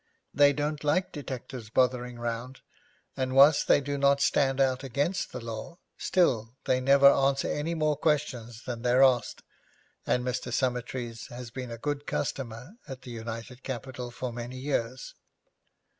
They don't like detectives bothering round, and whilst they do not stand out against the law, still they never answer any more questions than they're asked, and Mr. Summertrees has been a good customer at the United Capital for many years.'